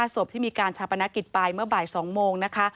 ศพที่มีการชาปนกิจไปเมื่อบ่าย๒โมงนะคะ